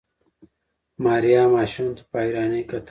ماريا ماشوم ته په حيرانۍ کتل.